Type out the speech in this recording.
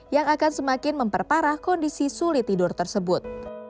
yang akan semakin memperparah kondisi sulit tidur tersebut